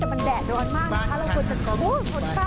แต่มันแดดโดนมากนะคะเราควรจะกลับไป